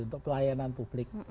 untuk pelayanan publik